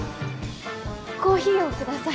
コーヒーをください。